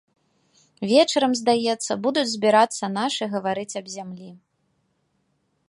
Вечарам, здаецца, будуць збірацца нашы гаварыць аб зямлі.